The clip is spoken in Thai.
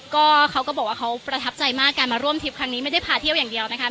ก็เขาก็บอกว่าเขาประทับใจมากการมาร่วมทริปครั้งนี้ไม่ได้พาเที่ยวอย่างเดียวนะคะ